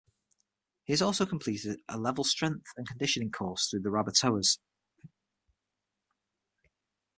He has also completed a level strength and conditioning course through the Rabbitohs.